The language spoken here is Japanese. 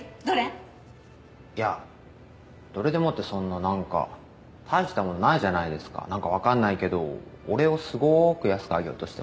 いやどれでもってそんななんか大したもんないじゃないですかなんかわかんないけど俺をすごーく安くあげようとしてません？